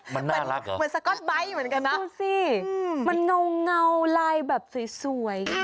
มันน่ารักเหรอมันล่ะกูสิมันเงาลายแบบสวย